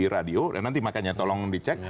radio dan nanti makanya tolong dicek